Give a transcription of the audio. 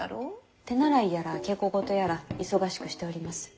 手習いやら稽古事やら忙しくしております。